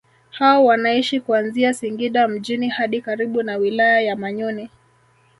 Hao wanaishi kuanzia Singida mjini hadi karibu na wilaya ya Manyoni